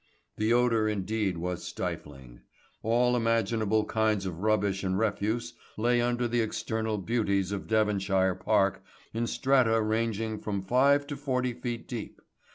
The odour indeed was stifling. All imaginable kinds of rubbish and refuse lay under the external beauties of Devonshire Park in strata ranging from five to forty feet deep.